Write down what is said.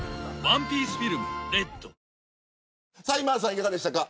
いかがでしたか。